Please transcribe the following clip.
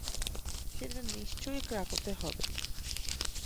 সেটা নিশ্চয় ক্রাকোতে হবে।